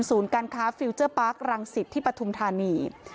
การค้าฟิลเจอร์ปาร์ครังสิตที่ปฐุมธานี